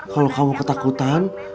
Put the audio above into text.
kalau kamu ketakutan